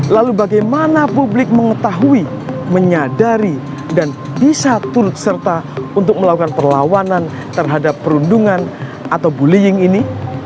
lalu bagaimana publik mengetahui menyadari dan bisa turut serta untuk melakukan perlawanan terhadap perundungan atau bullying ini